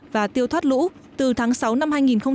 và tiêu thoát lũ từ tháng sáu năm hai nghìn một mươi chín